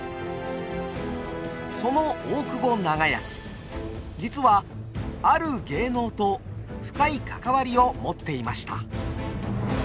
その大久保長安実はある芸能と深い関わりを持っていました。